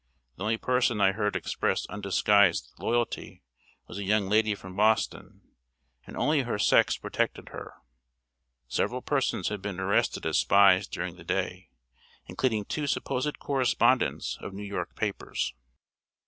The only person I heard express undisguised loyalty was a young lady from Boston, and only her sex protected her. Several persons had been arrested as spies during the day, including two supposed correspondents of New York papers.